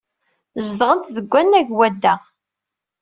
Zedɣent deg wannag n wadda.